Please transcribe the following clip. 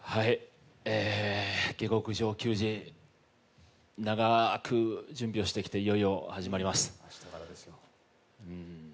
「下剋上球児」、長く準備をしてきていよいよ始まります。